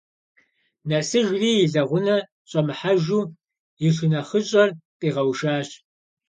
Нэсыжри, и лэгъунэ щӏэмыхьэжу, и шынэхъыщӏэр къигъэушащ.